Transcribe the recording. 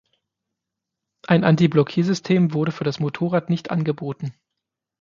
Ein Antiblockiersystem wurde für das Motorrad nicht angeboten.